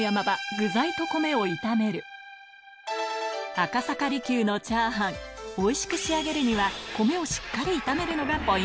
赤坂璃宮のチャーハンおいしく仕上げるには米をしっかり炒めるのがポイント